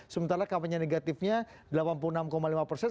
sementara kampanye negatifnya delapan puluh enam lima persen